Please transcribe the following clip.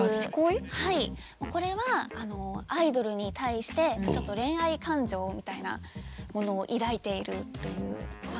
これはアイドルに対してちょっと恋愛感情みたいなものを抱いているというファンの方です。